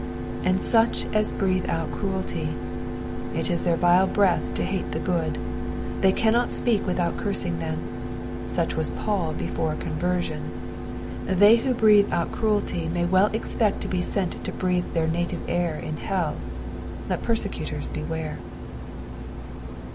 "And «He& a* breathe out ervelty." It is their vital breath to hate the good ; they cannot speak without cursing tbem ; such wss Paul before conversion. They who breathe out cruelty may well expect to be sent to breathe their native air ID hell ; let persecutors beware